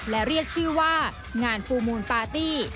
และเรียกชื่อว่างานฟูลมูลปาร์ตี้